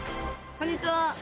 こんにちは。